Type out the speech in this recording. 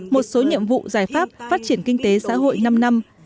một số nhiệm vụ giải pháp phát triển kinh tế xã hội năm năm